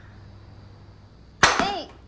えい。